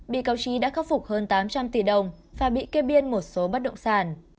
bị cáo trí đã khắc phục hơn tám trăm linh tỷ đồng và bị kê biên một số bất động sản